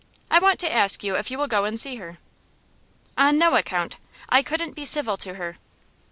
I want to ask you if you will go and see her.' 'On no account! I couldn't be civil to her.